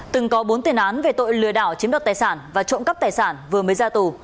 từng có bốn tiền án về tội lừa đảo chiếm đoạt tài sản và trộm cắp tài sản vừa mới ra tù